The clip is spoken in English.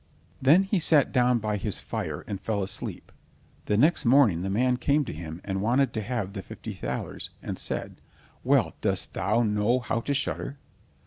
Then he sat down by his fire and fell asleep, and next morning the man came to him and wanted to have the fifty thalers, and said: "Well, dost thou know how to shudder?"